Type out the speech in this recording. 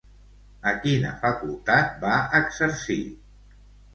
A quina facultat va exercir?